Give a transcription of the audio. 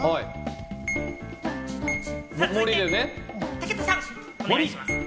武田さんか。